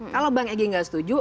kalau bang egy nggak setuju